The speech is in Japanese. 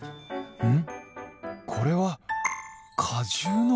うん。